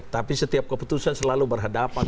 tapi setiap keputusan selalu berhadapan